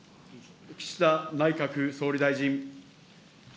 岸田内閣総理大臣。